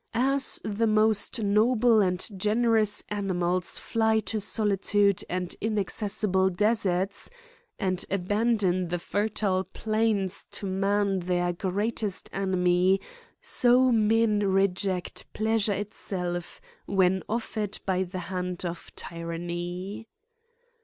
As the most noble and generous animals fly to solitude and inaccessible deserts, and abandon the fertile plains to man their greatest enemy, so men reject pleasure it self when offered by the hand of tyranny.